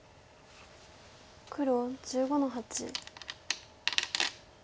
黒１５の八。